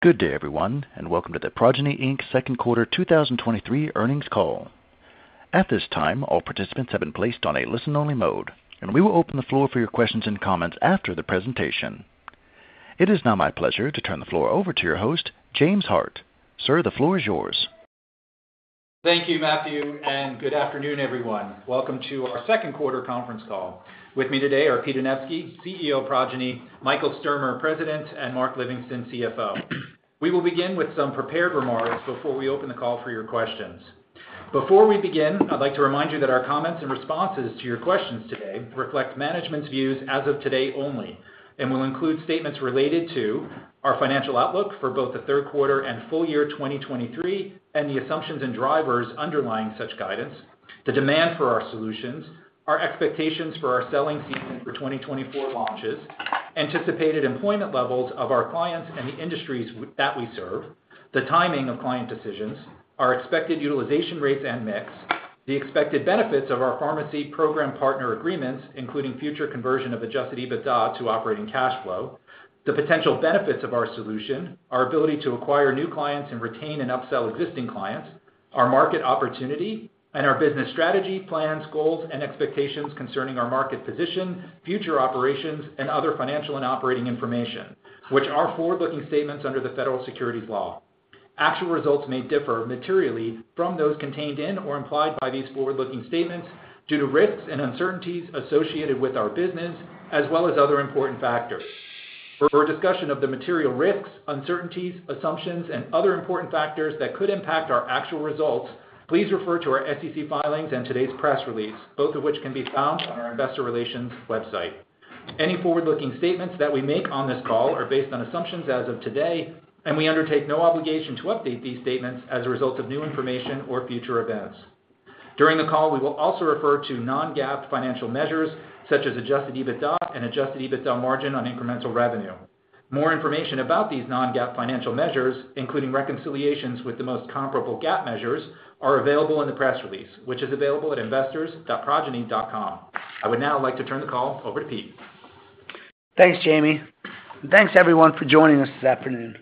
Good day, everyone, and welcome to the Progyny, Inc. Second Quarter 2023 earnings call. At this time, all participants have been placed on a listen-only mode, and we will open the floor for your questions and comments after the presentation. It is now my pleasure to turn the floor over to your host, James Hart. Sir, the floor is yours. Thank you, Matthew. Good afternoon, everyone. Welcome to our second quarter conference call. With me today are Pete Anevski, CEO of Progyny, Michael Sturmer, President, and Mark Livingston, CFO. We will begin with some prepared remarks before we open the call for your questions. Before we begin, I'd like to remind you that our comments and responses to your questions today reflect management's views as of today only, and will include statements related to our financial outlook for both the third quarter and full year 2023, and the assumptions and drivers underlying such guidance, the demand for our solutions, our expectations for our selling season for 2024 launches, anticipated employment levels of our clients and the industries that we serve, the timing of client decisions, our expected utilization rates and mix, the expected benefits of our pharmacy program partner agreements, including future conversion of adjusted EBITDA to operating cash flow, the potential benefits of our solution, our ability to acquire new clients and retain and upsell existing clients, our market opportunity, and our business strategy, plans, goals, and expectations concerning our market position, future operations, and other financial and operating information, which are forward-looking statements under the Federal Securities law. Actual results may differ materially from those contained in or implied by these forward-looking statements due to risks and uncertainties associated with our business, as well as other important factors. For a discussion of the material risks, uncertainties, assumptions, and other important factors that could impact our actual results, please refer to our SEC filings and today's press release, both of which can be found on our investor relations website. Any forward-looking statements that we make on this call are based on assumptions as of today, and we undertake no obligation to update these statements as a result of new information or future events. During the call, we will also refer to non-GAAP financial measures such as adjusted EBITDA and adjusted EBITDA margin on incremental revenue. More information about these non-GAAP financial measures, including reconciliations with the most comparable GAAP measures, are available in the press release, which is available at investors.progyny.com. I would now like to turn the call over to Pete. Thanks, Jamie. Thanks everyone for joining us this afternoon.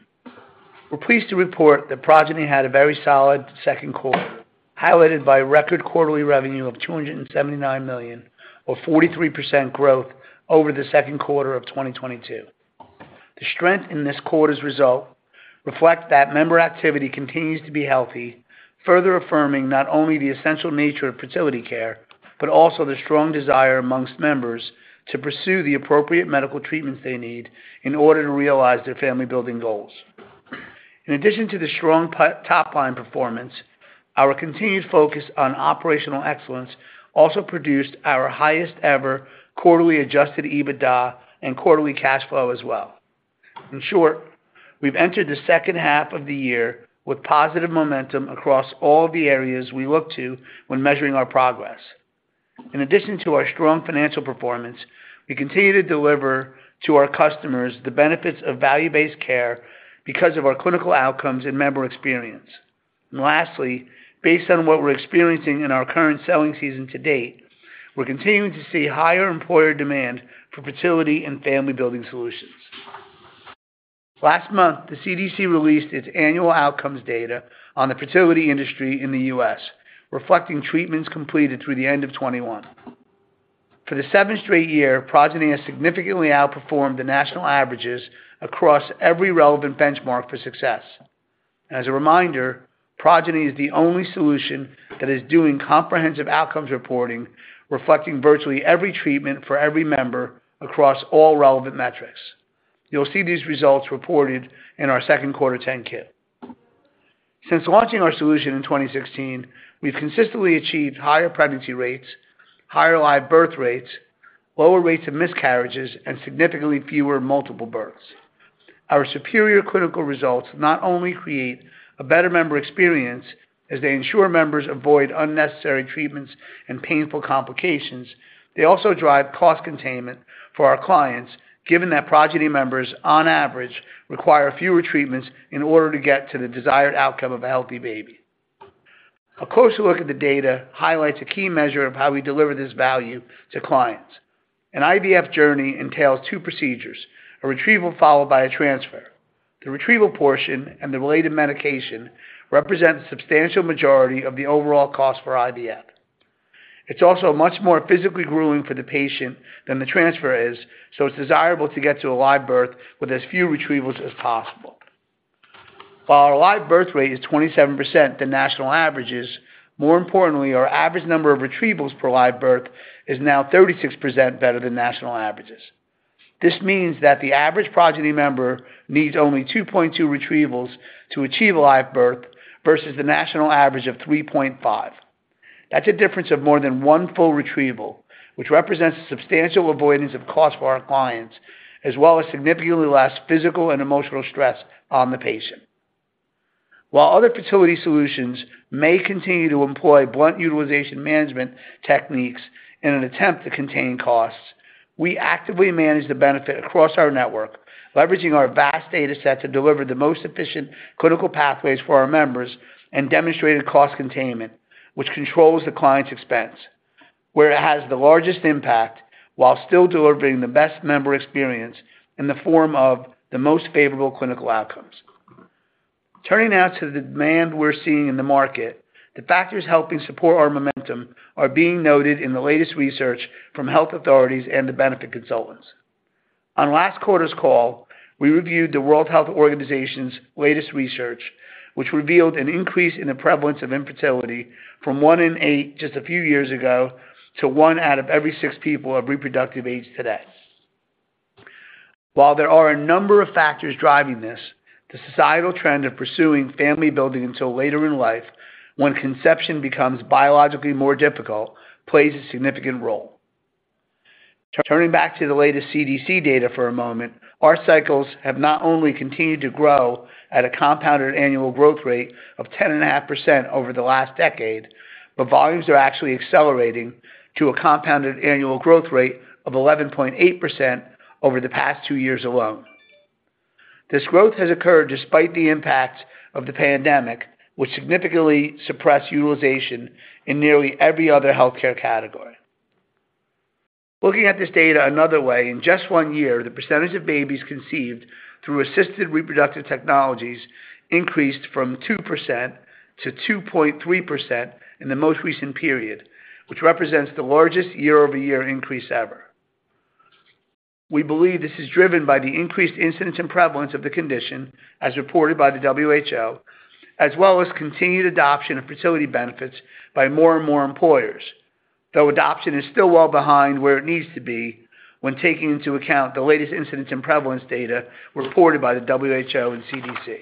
We're pleased to report that Progyny had a very solid second quarter, highlighted by record quarterly revenue of $279 million, or 43% growth over the second quarter of 2022. The strength in this quarter's result reflects that member activity continues to be healthy, further affirming not only the essential nature of fertility care, but also the strong desire amongst members to pursue the appropriate medical treatments they need in order to realize their family-building goals. In addition to the strong top line performance, our continued focus on operational excellence also produced our highest ever quarterly adjusted EBITDA and quarterly cash flow as well. In short, we've entered the second half of the year with positive momentum across all the areas we look to when measuring our progress. In addition to our strong financial performance, we continue to deliver to our customers the benefits of value-based care because of our clinical outcomes and member experience. Lastly, based on what we're experiencing in our current selling season to date, we're continuing to see higher employer demand for fertility and family-building solutions. Last month, the CDC released its annual outcomes data on the fertility industry in the U.S., reflecting treatments completed through the end of 2021. For the seventh straight year, Progyny has significantly outperformed the national averages across every relevant benchmark for success. As a reminder, Progyny is the only solution that is doing comprehensive outcomes reporting, reflecting virtually every treatment for every member across all relevant metrics. You'll see these results reported in our second quarter 10-K. Since launching our solution in 2016, we've consistently achieved higher pregnancy rates, higher live birth rates, lower rates of miscarriages, and significantly fewer multiple births. Our superior clinical results not only create a better member experience as they ensure members avoid unnecessary treatments and painful complications, they also drive cost containment for our clients, given that Progyny members, on average, require fewer treatments in order to get to the desired outcome of a healthy baby. A closer look at the data highlights a key measure of how we deliver this value to clients. An IVF journey entails two procedures: a retrieval, followed by a transfer. The retrieval portion and the related medication represent a substantial majority of the overall cost for IVF. It's also much more physically grueling for the patient than the transfer is, so it's desirable to get to a live birth with as few retrievals as possible. While our live birth rate is 27% the national average is, more importantly, our average number of retrievals per live birth is now 36% better than national averages. This means that the average Progyny member needs only 2.2 retrievals to achieve a live birth versus the national average of 3.5. That's a difference of more than one full retrieval, which represents a substantial avoidance of cost for our clients, as well as significantly less physical and emotional stress on the patient. While other fertility solutions may continue to employ blunt utilization management techniques in an attempt to contain costs, we actively manage the benefit across our network, leveraging our vast data set to deliver the most efficient clinical pathways for our members and demonstrated cost containment, which controls the client's expense. Where it has the largest impact, while still delivering the best member experience in the form of the most favorable clinical outcomes. Turning now to the demand we're seeing in the market, the factors helping support our momentum are being noted in the latest research from health authorities and the benefit consultants. On last quarter's call, we reviewed the World Health Organization's latest research, which revealed an increase in the prevalence of infertility from one in eight just a few years ago, to one out of every six people of reroductive age today. While there are a number of factors driving this, the societal trend of pursuing family building until later in life, when conception becomes biologically more difficult, plays a significant role. Turning back to the latest CDC data for a moment, our cycles have not only continued to grow at a compounded annual growth rate of 10.5% over the last decade, but volumes are actually accelerating to a compounded annual growth rate of 11.8% over the past two years alone. This growth has occurred despite the impact of the pandemic, which significantly suppressed utilization in nearly every other healthcare category. Looking at this data another way, in just one year, the percentage of babies conceived through assisted reproductive technologies increased from 2%-2.3% in the most recent period, which represents the largest year-over-year increase ever. We believe this is driven by the increased incidence and prevalence of the condition, as reported by the WHO, as well as continued adoption of fertility benefits by more and more employers, though adoption is still well behind where it needs to be when taking into account the latest incidence and prevalence data reported by the WHO and CDC.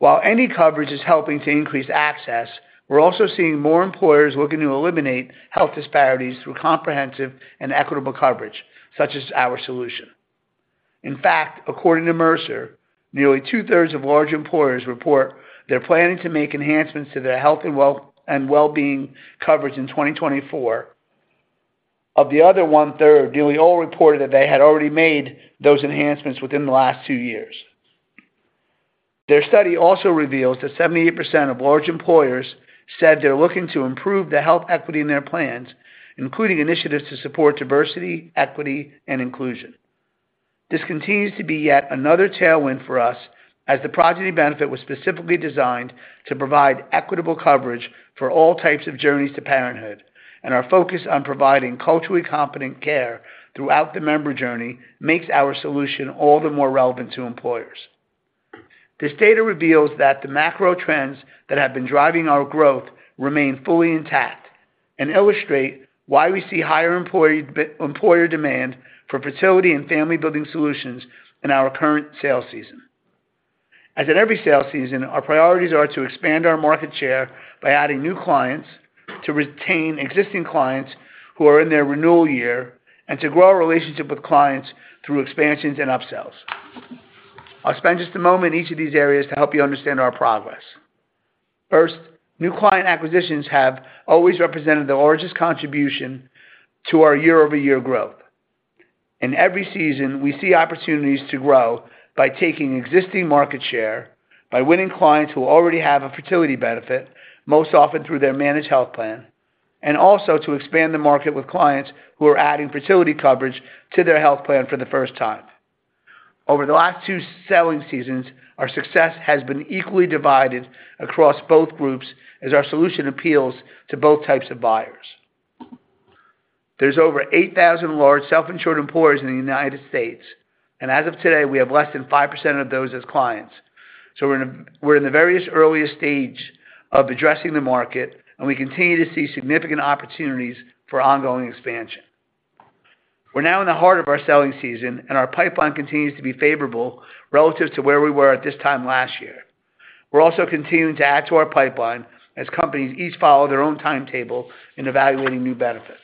While any coverage is helping to increase access, we're also seeing more employers looking to eliminate health disparities through comprehensive and equitable coverage, such as our solution. In fact, according to Mercer, nearly two-thirds of large employers report they're planning to make enhancements to their health and well-being coverage in 2024. Of the other 1/3, nearly all reported that they had already made those enhancements within the last two years. Their study also reveals that 78% of large employers said they're looking to improve the health equity in their plans, including initiatives to support diversity, equity, and inclusion. This continues to be yet another tailwind for us, as the Progyny benefit was specifically designed to provide equitable coverage for all types of journeys to parenthood, and our focus on providing culturally competent care throughout the member journey makes our solution all the more relevant to employers. This data reveals that the macro trends that have been driving our growth remain fully intact and illustrate why we see higher employee employer demand for fertility and family-building solutions in our current sales season. As at every sales season, our priorities are to expand our market share by adding new clients, to retain existing clients who are in their renewal year, and to grow our relationship with clients through expansions and upsells. I'll spend just a moment in each of these areas to help you understand our progress. First, new client acquisitions have always represented the largest contribution to our year-over-year growth. In every season, we see opportunities to grow by taking existing market share, by winning clients who already have a fertility benefit, most often through their managed health plan, and also to expand the market with clients who are adding fertility coverage to their health plan for the first time. Over the last two selling seasons, our success has been equally divided across both groups, as our solution appeals to both types of buyers. There's over 8,000 large self-insured employers in the United States. As of today, we have less than 5% of those as clients. We're in the very earliest stage of addressing the market. We continue to see significant opportunities for ongoing expansion. We're now in the heart of our selling season. Our pipeline continues to be favorable relative to where we were at this time last year. We're also continuing to add to our pipeline as companies each follow their own timetable in evaluating new benefits.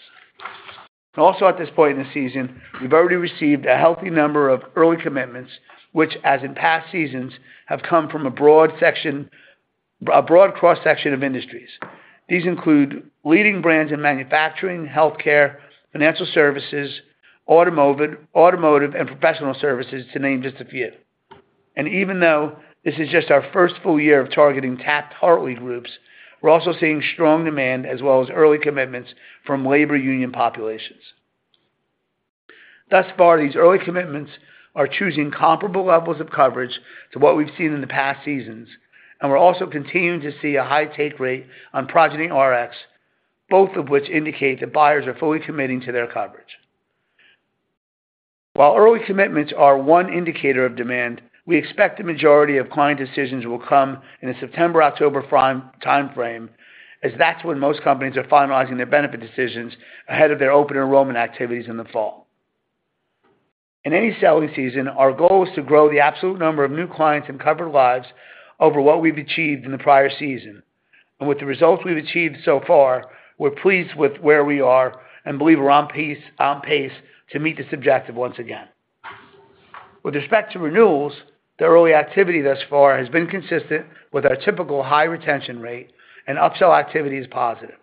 Also, at this point in the season, we've already received a healthy number of early commitments, which, as in past seasons, have come from a broad cross-section of industries. These include leading brands in manufacturing, healthcare, financial services, automotive, and professional services, to name just a few. Even though this is just our first full year of targeting Taft-Hartley groups, we're also seeing strong demand as well as early commitments from labor union populations. Thus far, these early commitments are choosing comparable levels of coverage to what we've seen in the past seasons, and we're also continuing to see a high take rate on Progyny Rx, both of which indicate that buyers are fully committing to their coverage. While early commitments are one indicator of demand, we expect the majority of client decisions will come in the September-October prime timeframe, as that's when most companies are finalizing their benefit decisions ahead of their open enrollment activities in the fall. In any selling season, our goal is to grow the absolute number of new clients and covered lives over what we've achieved in the prior season. With the results we've achieved so far, we're pleased with where we are and believe we're on pace, on pace to meet this objective once again. With respect to renewals, the early activity thus far has been consistent with our typical high retention rate and upsell activity is positive.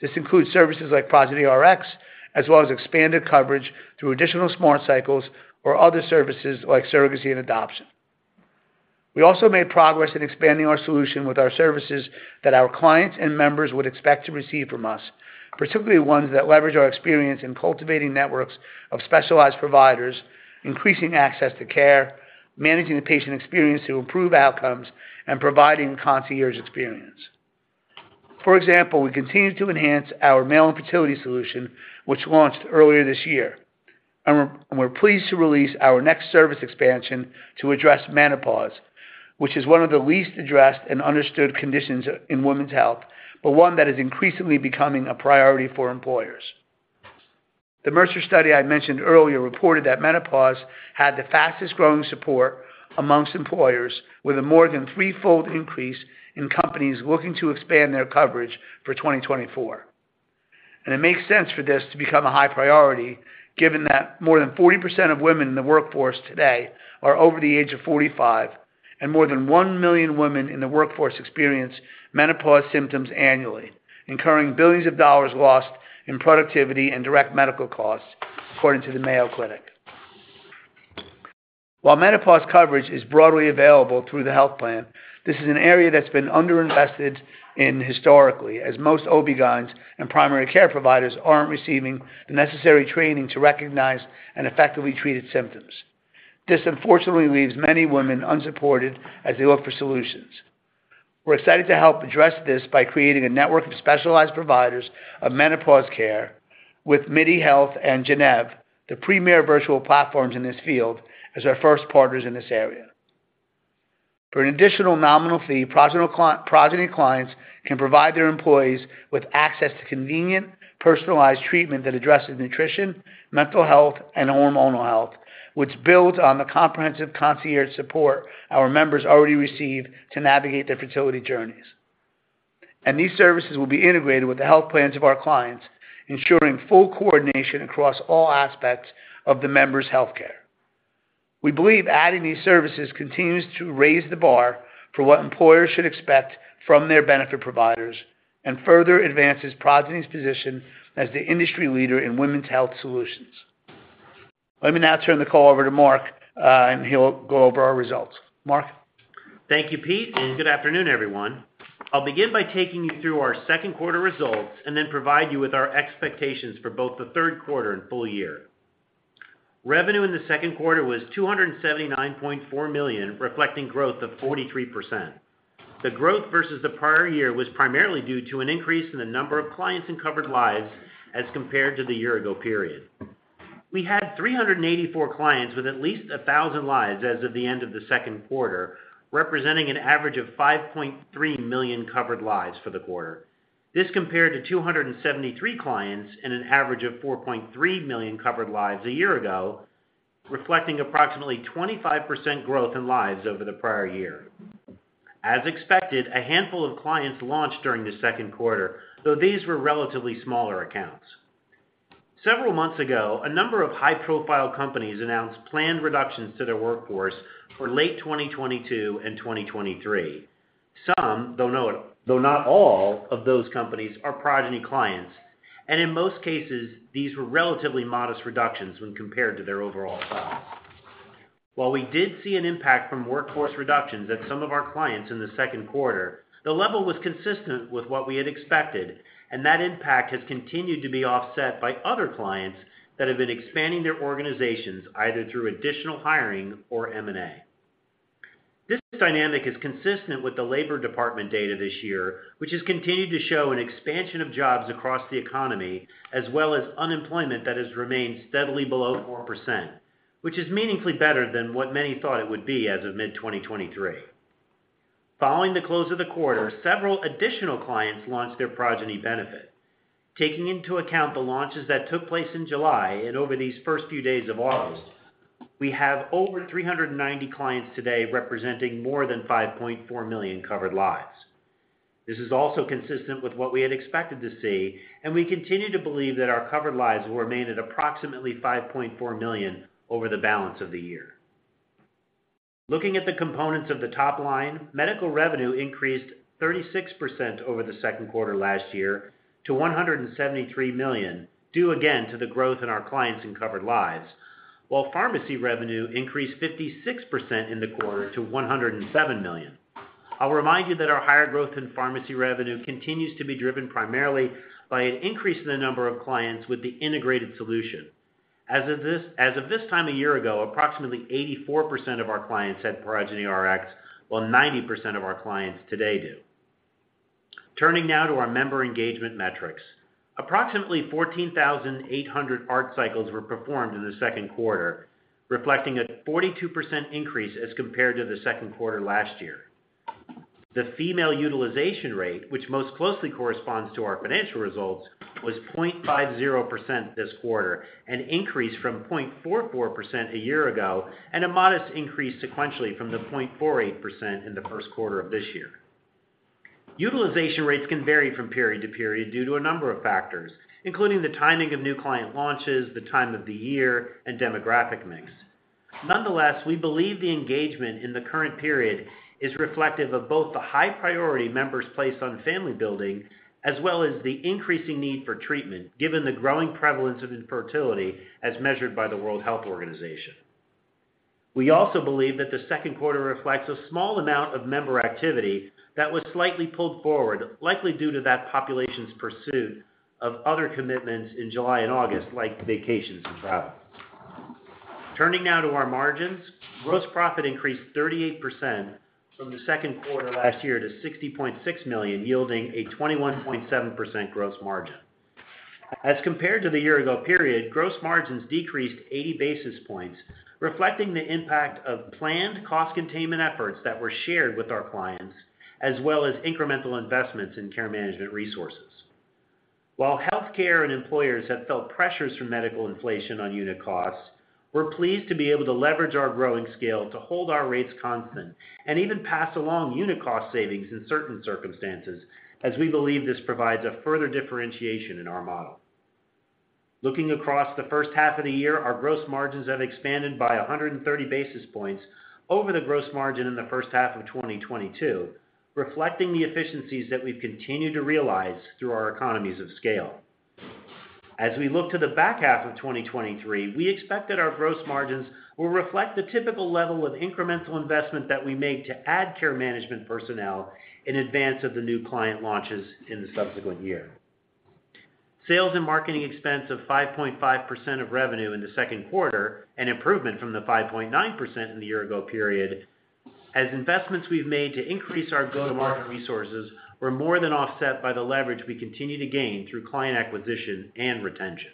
This includes services like Progyny Rx, as well as expanded coverage through additional smart cycles or other services like surrogacy and adoption. We also made progress in expanding our solution with our services that our clients and members would expect to receive from us, particularly ones that leverage our experience in cultivating networks of specialized providers, increasing access to care, managing the patient experience to improve outcomes, and providing concierge experience. For example, we continue to enhance our male infertility solution, which launched earlier this year, and we're pleased to release our next service expansion to address menopause, which is one of the least addressed and understood conditions in women's health, but one that is increasingly becoming a priority for employers. The Mercer study I mentioned earlier reported that menopause had the fastest-growing support amongst employers, with a more than threefold increase in companies looking to expand their coverage for 2024. It makes sense for this to become a high priority, given that more than 40% of women in the workforce today are over the age of 45, and more than one million women in the workforce experience menopause symptoms annually, incurring $ billions lost in productivity and direct medical costs, according to the Mayo Clinic. While menopause coverage is broadly available through the health plan, this is an area that's been underinvested in historically, as most OBGYNs and primary care providers aren't receiving the necessary training to recognize and effectively treat its symptoms. This, unfortunately, leaves many women unsupported as they look for solutions. We're excited to help address this by creating a network of specialized providers of menopause care with Midi Health and Gennev, the premier virtual platforms in this field, as our first partners in this area. For an additional nominal fee, Progyny clients can provide their employees with access to convenient, personalized treatment that addresses nutrition, mental health, and hormonal health, which builds on the comprehensive concierge support our members already receive to navigate their fertility journeys. These services will be integrated with the health plans of our clients, ensuring full coordination across all aspects of the members' healthcare. We believe adding these services continues to raise the bar for what employers should expect from their benefit providers and further advances Progyny's position as the industry leader in women's health solutions. Let me now turn the call over to Mark. He'll go over our results. Mark? Thank you, Pete, and good afternoon, everyone. I'll begin by taking you through our second quarter results and then provide you with our expectations for both the third quarter and full year. Revenue in the second quarter was $279.4 million, reflecting growth of 43%. The growth versus the prior year was primarily due to an increase in the number of clients and covered lives as compared to the year-ago period. We had 384 clients with at least 1,000 lives as of the end of the second quarter, representing an average of 5.3 million covered lives for the quarter. This compared to 273 clients and an average of 4.3 million covered lives a year ago, reflecting approximately 25% growth in lives over the prior year. As expected, a handful of clients launched during the second quarter, though these were relatively smaller accounts. Several months ago, a number of high-profile companies announced planned reductions to their workforce for late 2022 and 2023. Some, though not all of those companies, are Progyny clients, and in most cases, these were relatively modest reductions when compared to their overall size. While we did see an impact from workforce reductions at some of our clients in the second quarter, the level was consistent with what we had expected, and that impact has continued to be offset by other clients that have been expanding their organizations, either through additional hiring or M&A. This dynamic is consistent with the Labor Department data this year, which has continued to show an expansion of jobs across the economy, as well as unemployment that has remained steadily below 4%, which is meaningfully better than what many thought it would be as of mid-2023. Following the close of the quarter, several additional clients launched their Progyny benefit. Taking into account the launches that took place in July and over these first few days of August, we have over 390 clients today, representing more than 5.4 million covered lives. This is also consistent with what we had expected to see, and we continue to believe that our covered lives will remain at approximately 5.4 million over the balance of the year. Looking at the components of the top line, medical revenue increased 36% over the second quarter last year to $173 million, due again to the growth in our clients and covered lives, while pharmacy revenue increased 56% in the quarter to $107 million. I'll remind you that our higher growth in pharmacy revenue continues to be driven primarily by an increase in the number of clients with the integrated solution. As of this time a year ago, approximately 84% of our clients had Progyny Rx, while 90% of our clients today do. Turning now to our member engagement metrics. Approximately 14,800 ART cycles were performed in the second quarter, reflecting a 42% increase as compared to the second quarter last year. The female utilization rate, which most closely corresponds to our financial results, was 0.50% this quarter, an increase from 0.44% a year ago and a modest increase sequentially from the 0.48% in the first quarter of this year. Utilization rates can vary from period to period due to a number of factors, including the timing of new client launches, the time of the year, and demographic mix. Nonetheless, we believe the engagement in the current period is reflective of both the high priority members placed on family building, as well as the increasing need for treatment, given the growing prevalence of infertility as measured by the World Health Organization. We also believe that the second quarter reflects a small amount of member activity that was slightly pulled forward, likely due to that population's pursuit of other commitments in July and August, like vacations and travel. Turning now to our margins. Gross profit increased 38% from the second quarter last year to $60.6 million, yielding a 21.7% gross margin. As compared to the year ago period, gross margins decreased 80 basis points, reflecting the impact of planned cost containment efforts that were shared with our clients, as well as incremental investments in care management resources. While healthcare and employers have felt pressures from medical inflation on unit costs, we're pleased to be able to leverage our growing scale to hold our rates constant and even pass along unit cost savings in certain circumstances, as we believe this provides a further differentiation in our model. Looking across the first half of the year, our gross margins have expanded by 130 basis points over the gross margin in the first half of 2022, reflecting the efficiencies that we've continued to realize through our economies of scale. As we look to the back half of 2023, we expect that our gross margins will reflect the typical level of incremental investment that we make to add care management personnel in advance of the new client launches in the subsequent year. Sales and marketing expense of 5.5% of revenue in the second quarter, an improvement from the 5.9% in the year ago period, as investments we've made to increase our go-to-market resources were more than offset by the leverage we continue to gain through client acquisition and retention.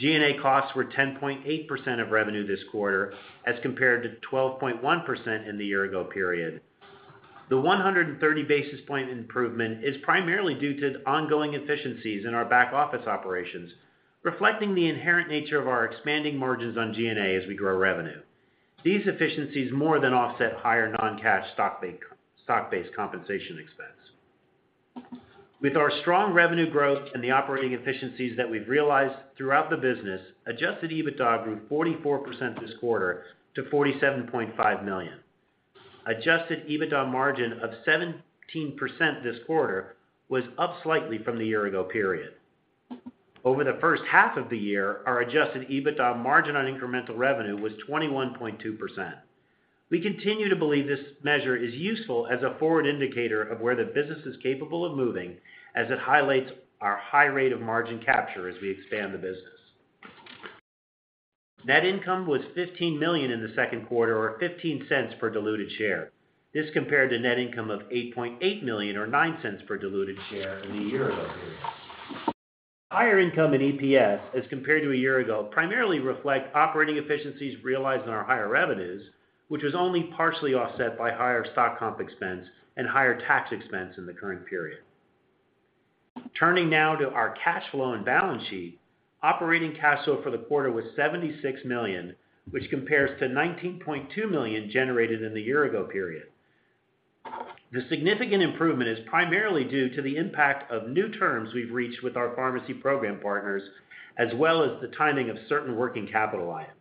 GNA costs were 10.8% of revenue this quarter, as compared to 12.1% in the year-ago period. The 130 basis point improvement is primarily due to ongoing efficiencies in our back-office operations, reflecting the inherent nature of our expanding margins on GNA as we grow revenue. These efficiencies more than offset higher non-cash stock-based compensation expense. With our strong revenue growth and the operating efficiencies that we've realized throughout the business, Adjusted EBITDA grew 44% this quarter to $47.5 million. Adjusted EBITDA margin of 17% this quarter was up slightly from the year-ago period. Over the first half of the year, our Adjusted EBITDA margin on incremental revenue was 21.2%. We continue to believe this measure is useful as a forward indicator of where the business is capable of moving, as it highlights our high rate of margin capture as we expand the business. Net income was $15 million in the second quarter, or $0.15 per diluted share. This compared to net income of $8.8 million or $0.09 per diluted share in the year ago period. Higher income in EPS as compared to a year ago, primarily reflect operating efficiencies realized in our higher revenues, which was only partially offset by higher stock comp expense and higher tax expense in the current period. Turning now to our cash flow and balance sheet. Operating cash flow for the quarter was $76 million, which compares to $19.2 million generated in the year ago period. The significant improvement is primarily due to the impact of new terms we've reached with our pharmacy program partners, as well as the timing of certain working capital items.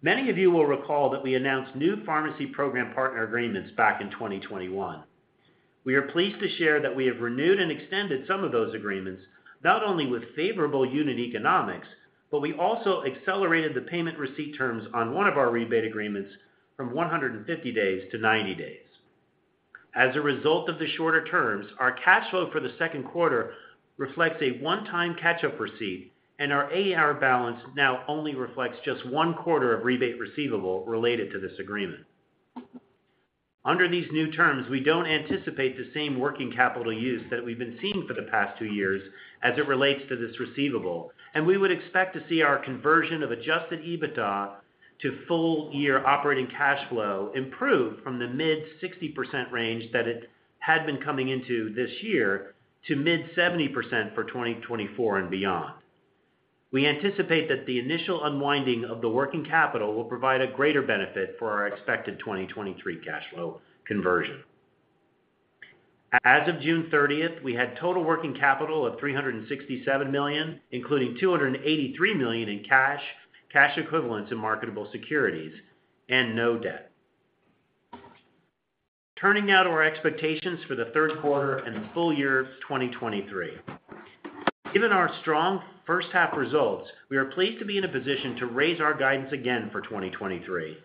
Many of you will recall that we announced new pharmacy program partner agreements back in 2021. We are pleased to share that we have renewed and extended some of those agreements, not only with favorable unit economics, but we also accelerated the payment receipt terms on one of our rebate agreements from 150 days to 90 days. As a result of the shorter terms, our cash flow for the second quarter reflects a one-time catch-up receipt, and our AAR balance now only reflects just one quarter of rebate receivable related to this agreement. Under these new terms, we don't anticipate the same working capital use that we've been seeing for the past 2 years as it relates to this receivable, we would expect to see our conversion of adjusted EBITDA to full-year operating cash flow improve from the mid 60% range that it had been coming into this year to mid 70% for 2024 and beyond. We anticipate that the initial unwinding of the working capital will provide a greater benefit for our expected 2023 cash flow conversion. As of June thirtieth, we had total working capital of $367 million, including $283 million in cash, cash equivalents in marketable securities, no debt. Turning now to our expectations for the third quarter and the full year of 2023. Given our strong first half results, we are pleased to be in a position to raise our guidance again for 2023.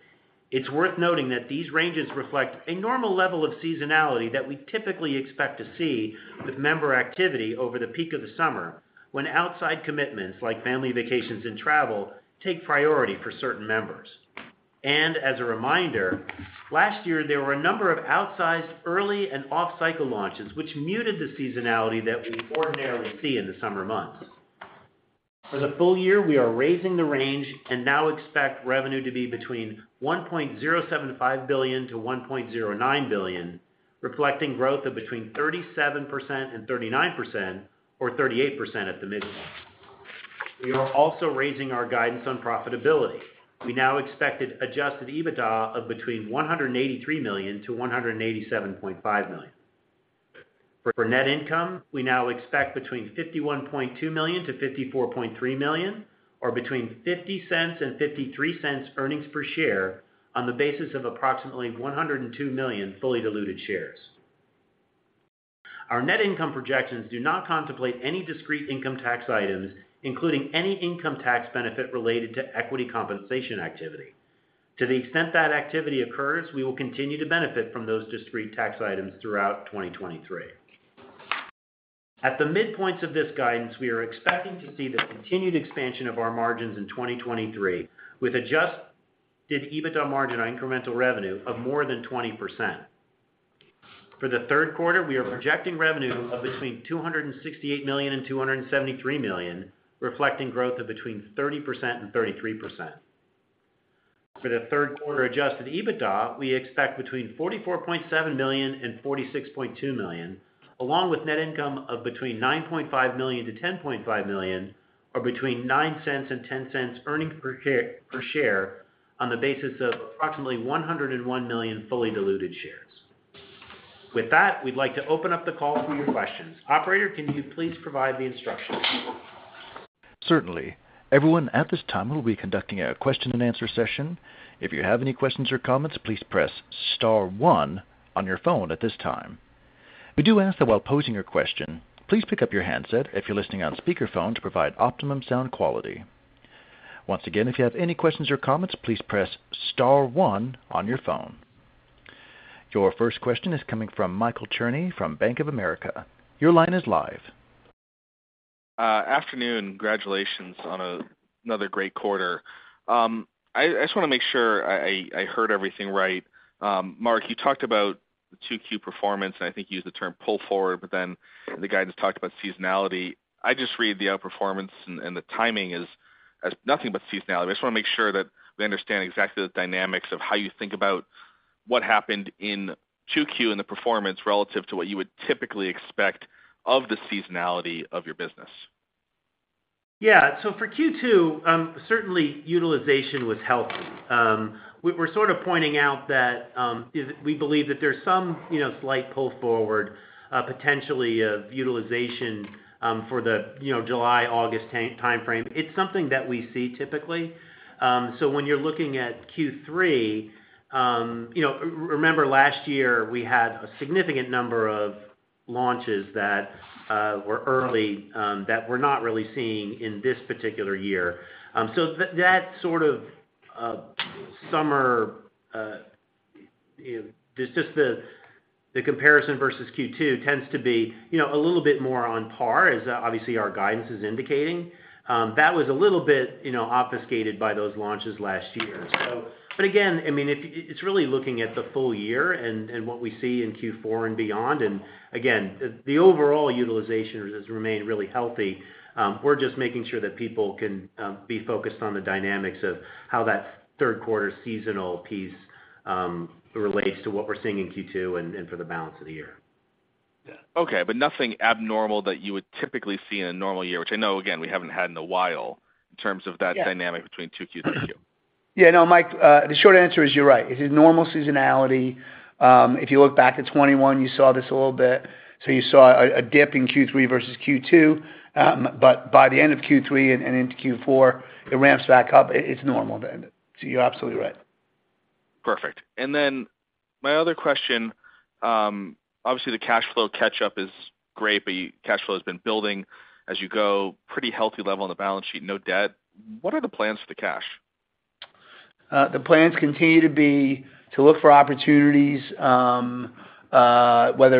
It's worth noting that these ranges reflect a normal level of seasonality that we typically expect to see with member activity over the peak of the summer, when outside commitments like family vacations and travel, take priority for certain members. As a reminder, last year, there were a number of outsized early and off-cycle launches, which muted the seasonality that we ordinarily see in the summer months. For the full year, we are raising the range and now expect revenue to be between $1.075 billion-$1.09 billion, reflecting growth of between 37% and 39%, or 38% at the midpoint. We are also raising our guidance on profitability. We now expected adjusted EBITDA of between $183 million-$187.5 million. For net income, we now expect between $51.2 million-$54.3 million, or between $0.50-$0.53 earnings per share on the basis of approximately 102 million fully diluted shares. Our net income projections do not contemplate any discrete income tax items, including any income tax benefit related to equity compensation activity. To the extent that activity occurs, we will continue to benefit from those discrete tax items throughout 2023. At the midpoints of this guidance, we are expecting to see the continued expansion of our margins in 2023, with adjusted EBITDA margin on incremental revenue of more than 20%. For the third quarter, we are projecting revenue of between $268 million and $273 million, reflecting growth of between 30% and 33%. For the third quarter adjusted EBITDA, we expect between $44.7 million and $46.2 million, along with net income of between $9.5 million to $10.5 million, or between $0.09 and $0.10 earnings per share, on the basis of approximately 101 million fully diluted shares. With that, we'd like to open up the call for your questions. Operator, can you please provide the instructions? Certainly. Everyone, at this time, we'll be conducting a question and answer session. If you have any questions or comments, please press star one on your phone at this time. We do ask that while posing your question, please pick up your handset if you're listening on speakerphone, to provide optimum sound quality. Once again, if you have any questions or comments, please press star one on your phone. Your first question is coming from Michael Cherny from Bank of America. Your line is live. Afternoon. Congratulations on another great quarter. I, I just want to make sure I, I, I heard everything right. Mark, you talked about the 2Q performance, and I think you used the term pull forward, but then the guidance talked about seasonality. I just read the outperformance and the timing is, as nothing but seasonality. I just want to make sure that we understand exactly the dynamics of how you think about what happened in 2Q and the performance relative to what you would typically expect of the seasonality of your business. Yeah. For Q2, certainly utilization was healthy. We're, we're sort of pointing out that we believe that there's some, you know, slight pull forward, potentially of utilization, for the, you know, July, August timeframe. It's something that we see typically. When you're looking at Q3, you know, remember last year, we had a significant number of launches that were early that we're not really seeing in this particular year. That sort of summer, just the comparison versus Q2 tends to be, you know, a little bit more on par, as obviously our guidance is indicating. That was a little bit, you know, obfuscated by those launches last year. Again, I mean, it's really looking at the full year and what we see in Q4 and beyond. Again, the overall utilization has remained really healthy. We're just making sure that people can be focused on the dynamics of how that third quarter seasonal piece relates to what we're seeing in Q2 and for the balance of the year. Okay, but nothing abnormal that you would typically see in a normal year, which I know, again, we haven't had in a while, in terms of that- Yeah dynamic between 2Q to 2Q. Yeah, no, Mike, the short answer is you're right. It is normal seasonality. If you look back at 2021, you saw this a little bit. You saw a dip in Q3 versus Q2, but by the end of Q3 and into Q4, it ramps back up. It's normal, then. You're absolutely right. Perfect. Then my other question, obviously, the cash flow catch-up is great, but cash flow has been building as you go. Pretty healthy level on the balance sheet, no debt. What are the plans for the cash? The plans continue to be to look for opportunities, whether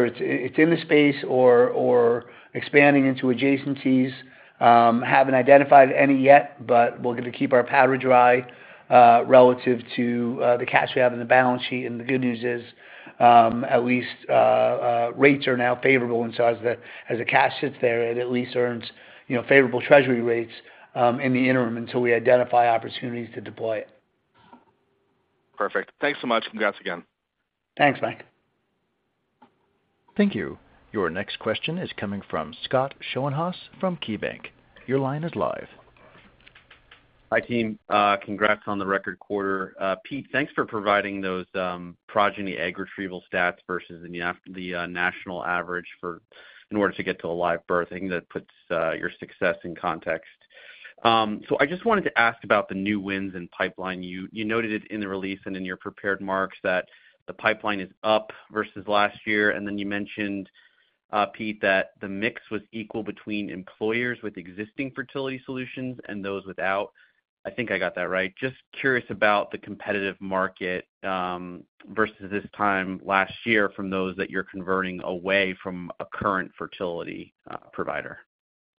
it's, it's in the space or, or expanding into adjacencies. Haven't identified any yet, but we're going to keep our powder dry, relative to the cash we have on the balance sheet. The good news is, at least rates are now favorable, and so as the, as the cash sits there, it at least earns, you know, favorable treasury rates, in the interim until we identify opportunities to deploy it. Perfect. Thanks so much. Congrats again. Thanks, Mike. Thank you. Your next question is coming from Scott Schoenhaus from KeyBank. Your line is live. Hi, team. congrats on the record quarter. Pete, thanks for providing those Progyny egg retrieval stats versus the national average for, in order to get to a live birth. I think that puts your success in context. I just wanted to ask about the new wins in pipeline. You, you noted it in the release and in your prepared marks that the pipeline is up versus last year. You mentioned, Pete, that the mix was equal between employers with existing fertility solutions and those without. I think I got that right. Just curious about the competitive market, versus this time last year from those that you're converting away from a current fertility provider.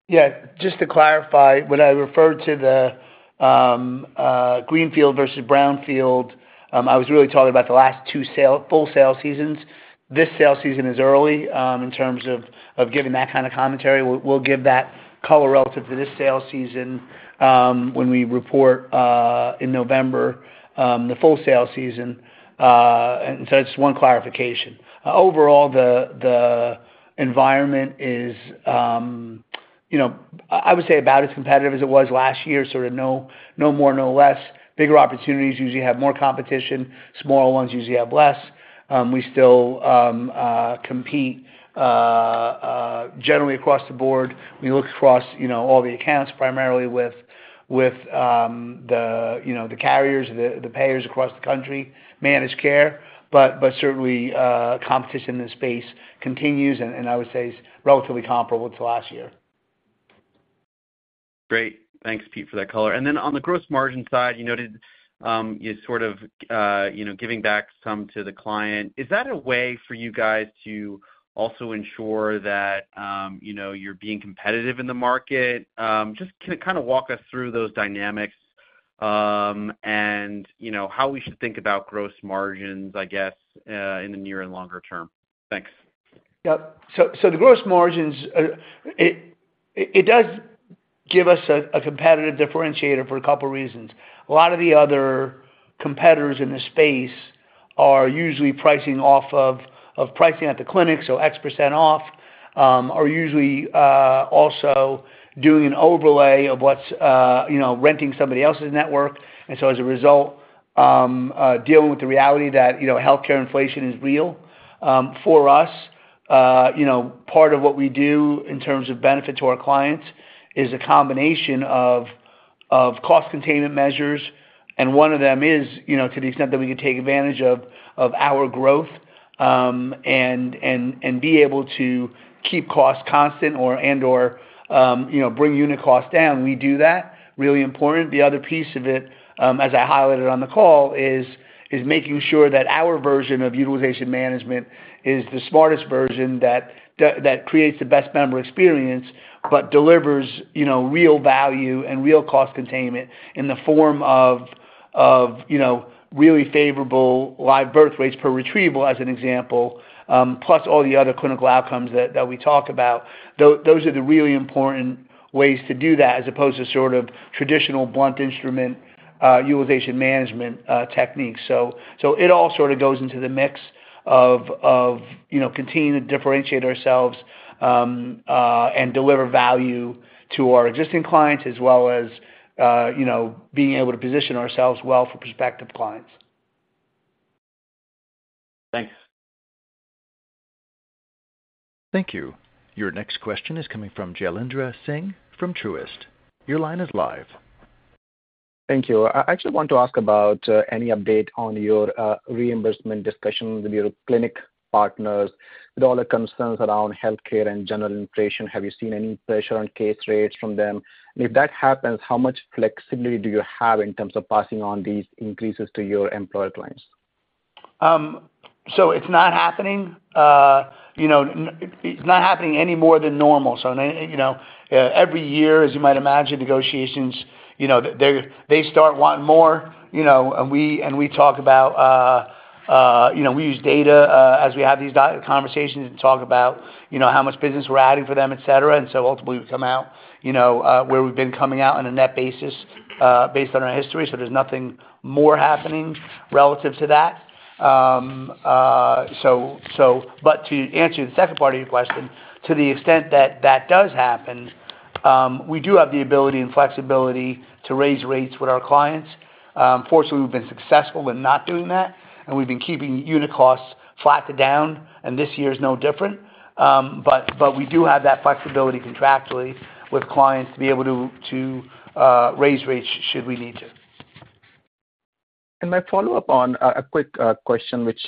Yeah, just to clarify, when I referred to the greenfield versus brownfield, I was really talking about the last two full sale seasons. This sale season is early in terms of, of giving that kind of commentary. We'll, we'll give that color relative to this sale season, when we report in November, the full sale season. So that's one clarification. Overall, the environment is, you know, I would say about as competitive as it was last year, sort of no, no more, no less. Bigger opportunities usually have more competition, smaller ones usually have less. We still compete generally across the board, we look across, you know, all the accounts, primarily with, with the, you know, the carriers, the, the payers across the country, managed care. But certainly, competition in the space continues, and I would say is relatively comparable to last year. Great. Thanks, Pete, for that color. On the gross margin side, you noted, you know, giving back some to the client. Is that a way for you guys to also ensure that, you know, you're being competitive in the market? Just can you kind of walk us through those dynamics, and, you know, how we should think about gross margins, I guess, in the near and longer term? Thanks. Yep. The gross margins, it does give us a, a competitive differentiator for 2 reasons. A lot of the other competitors in the space are usually pricing off of pricing at the clinic, so X% off, are usually also doing an overlay of what's, you know, renting somebody else's network. As a result, dealing with the reality that, you know, healthcare inflation is real, for us, you know, part of what we do in terms of benefit to our clients is a combination of cost containment measures, and 1 of them is, you know, to the extent that we can take advantage of our growth, and be able to keep costs constant or, and/or, you know, bring unit costs down. We do that. Really important. The other piece of it, as I highlighted on the call, is, is making sure that our version of utilization management is the smartest version that creates the best member experience, but delivers, you know, real value and real cost containment in the form of, of, you know, really favorable live birth rates per retrieval, as an example, plus all the other clinical outcomes that, that we talk about. Those are the really important ways to do that, as opposed to sort of traditional blunt instrument, utilization management, techniques. It all sort of goes into the mix of, of, you know, continuing to differentiate ourselves, and deliver value to our existing clients, as well as, you know, being able to position ourselves well for prospective clients. Thanks. Thank you. Your next question is coming from Jailendra Singh from Truist. Your line is live. Thank you. I actually want to ask about any update on your reimbursement discussions with your clinic partners. With all the concerns around healthcare and general inflation, have you seen any pressure on case rates from them? If that happens, how much flexibility do you have in terms of passing on these increases to your employer clients? It's not happening. You know, it's not happening any more than normal. You know, every year, as you might imagine, negotiations, you know, they start wanting more, you know, and we talk about, you know, we use data, as we have these conversations and talk about, you know, how much business we're adding for them, et cetera. Ultimately, we come out, you know, where we've been coming out on a net basis, based on our history, so there's nothing more happening relative to that. To answer the second part of your question, to the extent that that does happen, we do have the ability and flexibility to raise rates with our clients. Fortunately, we've been successful in not doing that, and we've been keeping unit costs flat to down, and this year is no different. But we do have that flexibility contractually with clients to be able to, to, raise rates should we need to. My follow-up on a quick question, which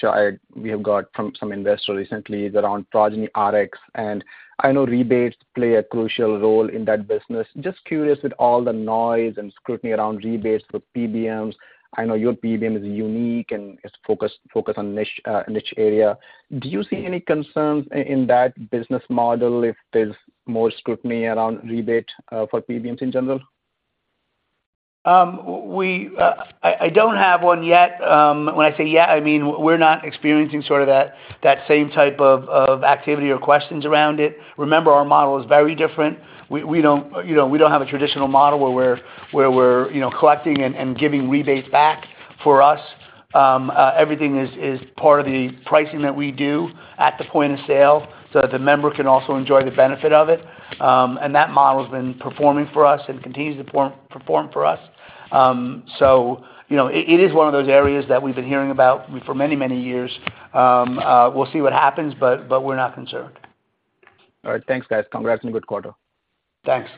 we have got from some investors recently, is around Progyny Rx, and I know rebates play a crucial role in that business. Just curious, with all the noise and scrutiny around rebates with PBMs, I know your PBM is unique and is focused, focused on niche, niche area. Do you see any concerns in that business model if there's more scrutiny around rebate for PBMs in general? We, I don't have one yet. When I say yet, I mean, we're not experiencing sort of that, that same type of, of activity or questions around it. Remember, our model is very different. We, we don't, you know, we don't have a traditional model, where we're, where we're, you know, collecting and, and giving rebates back. For us, everything is, is part of the pricing that we do at the point of sale, so that the member can also enjoy the benefit of it. That model has been performing for us and continues to perform, perform for us. You know, it, it is one of those areas that we've been hearing about for many, many years. We'll see what happens, but, but we're not concerned. All right. Thanks, guys. Congrats on a good quarter. Thanks.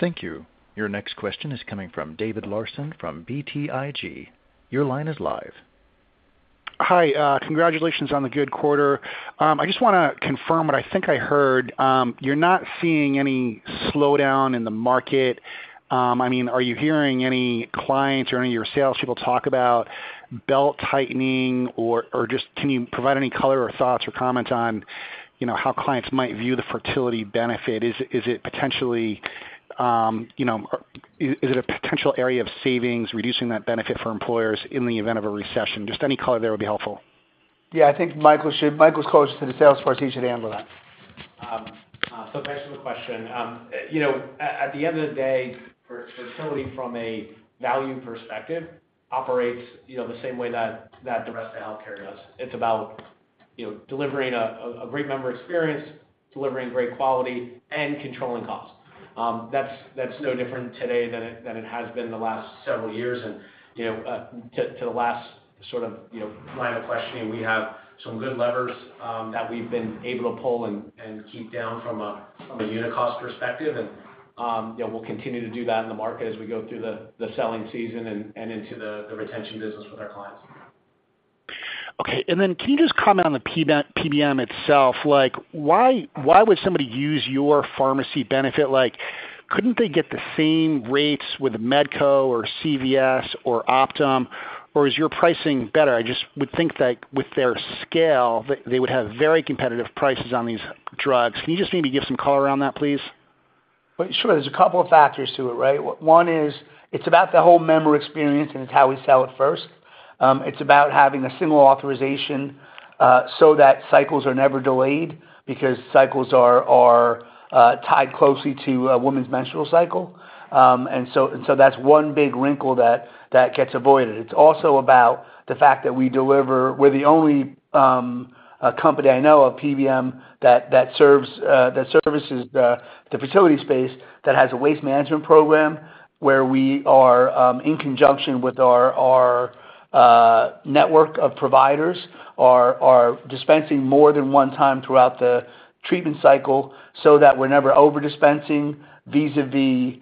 Thank you. Your next question is coming from David Larsen from BTIG. Your line is live. Hi, congratulations on the good quarter. I just wanna confirm what I think I heard. You're not seeing any slowdown in the market. I mean, are you hearing any clients or any of your salespeople talk about belt-tightening, or, or just can you provide any color or thoughts or comments on, you know, how clients might view the fertility benefit? Is, is it potentially, you know, is it a potential area of savings, reducing that benefit for employers in the event of a recession? Just any color there would be helpful. Yeah, I think Michael's closer to the sales force. He should handle that. Thanks for the question. You know, at, at the end of the day, fertility, from a value perspective, operates, you know, the same way that, that the rest of healthcare does. It's about, you know, delivering a, a great member experience, delivering great quality, and controlling costs. ... that's, that's no different today than it, than it has been the last several years. You know, to, to the last sort of, you know, line of questioning, we have some good levers, that we've been able to pull and, and keep down from a, from a unit cost perspective. Yeah, we'll continue to do that in the market as we go through the, the selling season and, and into the, the retention business with our clients. Okay. Then can you just comment on the PBM, PBM itself? Like, why, why would somebody use your pharmacy benefit? Like, couldn't they get the same rates with Medco or CVS or Optum, or is your pricing better? I just would think that with their scale, they, they would have very competitive prices on these drugs. Can you just maybe give some color around that, please? Well, sure. There's a couple of factors to it, right? One is, it's about the whole member experience, and it's how we sell it first. It's about having a single authorization, so that cycles are never delayed, because cycles are tied closely to a woman's menstrual cycle. That's one big wrinkle that gets avoided. It's also about the fact that we deliver, we're the only company I know, a PBM, that serves, that services the fertility space, that has a waste management program, where we are in conjunction with our, our network of providers, are dispensing more than one time throughout the treatment cycle so that we're never over-dispensing vis-à-vis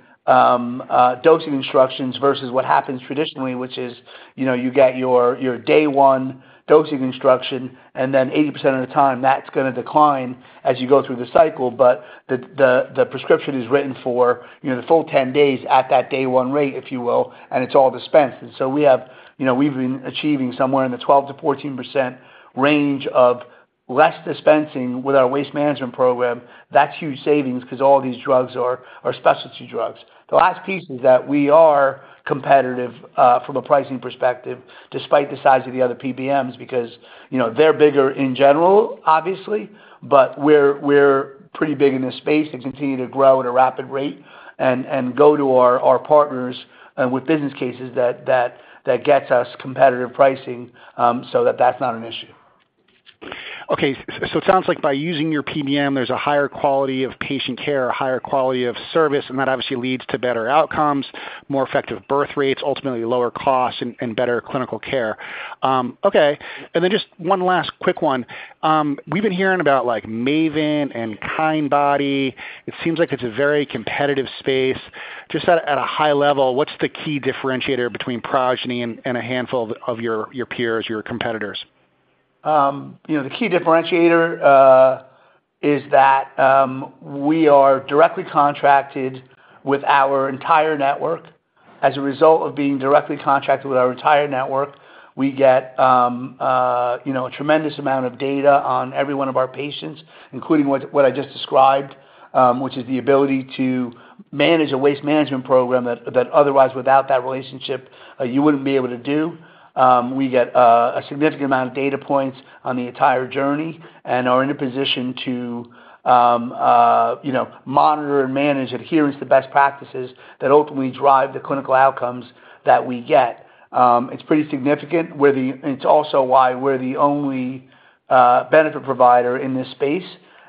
dosing instructions versus what happens traditionally, which is, you know, you get your, your day one dosing instruction, and then 80% of the time, that's gonna decline as you go through the cycle. The prescription is written for, you know, the full 10 days at that day one rate, if you will, and it's all dispensed. We have, you know, we've been achieving somewhere in the 12%-14% range of less dispensing with our waste management program. That's huge savings 'cause all these drugs are, are specialty drugs. The last piece is that we are competitive from a pricing perspective, despite the size of the other PBMs, because, you know, they're bigger in general, obviously, but we're, we're pretty big in this space and continue to grow at a rapid rate and, and go to our, our partners with business cases that, that, that gets us competitive pricing, so that that's not an issue. Okay, it sounds like by using your PBM, there's a higher quality of patient care, a higher quality of service, and that obviously leads to better outcomes, more effective birth rates, ultimately lower costs and, and better clinical care. Okay. Just one last quick one. We've been hearing about, like, Maven and Kindbody. It seems like it's a very competitive space. Just at, at a high level, what's the key differentiator between Progyny and, and a handful of your, your peers, your competitors? You know, the key differentiator is that we are directly contracted with our entire network. As a result of being directly contracted with our entire network, we get, you know, a tremendous amount of data on every one of our patients, including what, what I just described, which is the ability to manage a waste management program that, that otherwise, without that relationship, you wouldn't be able to do. We get a significant amount of data points on the entire journey and are in a position to, you know, monitor and manage adherence to best practices that ultimately drive the clinical outcomes that we get. It's pretty significant. It's also why we're the only benefit provider in this space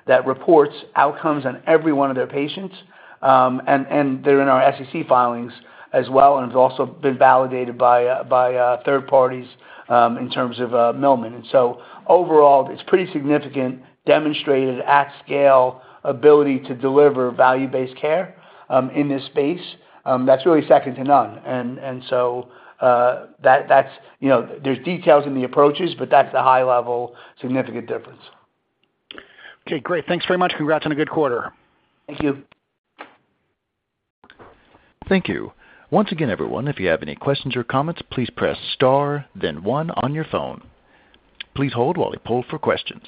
that reports outcomes on every one of their patients. They're in our SEC filings as well, and it's also been validated by third parties, in terms of Milliman. Overall, it's pretty significant, demonstrated at scale, ability to deliver value-based care, in this space, that's really second to none. That, that's, you know, there's details in the approaches, but that's the high-level, significant difference. Okay, great. Thanks very much. Congrats on a good quarter. Thank you. Thank you. Once again, everyone, if you have any questions or comments, please press star then one on your phone. Please hold while we poll for questions.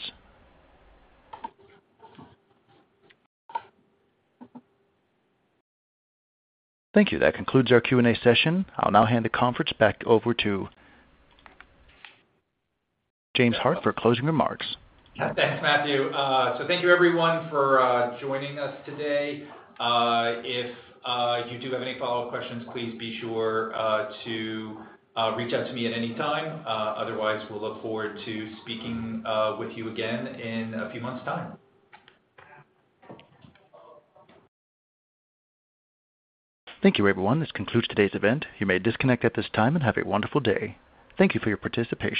Thank you. That concludes our Q&A session. I'll now hand the conference back over to James Hart for closing remarks. Thanks, Matthew. Thank you, everyone, for joining us today. If you do have any follow-up questions, please be sure to reach out to me at any time. We'll look forward to speaking with you again in a few months' time. Thank you, everyone. This concludes today's event. You may disconnect at this time, and have a wonderful day. Thank you for your participation.